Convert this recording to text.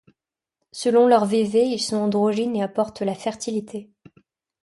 Selon leur vévé, ils sont androgynes et apportent la fertilité.